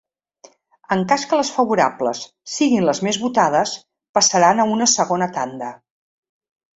En cas que les favorables siguin les més votades, passaran a una segona tanda.